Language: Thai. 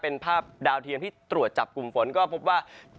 เป็นภาพดาวเทียมที่ตรวจจับกลุ่มฝนก็พบว่า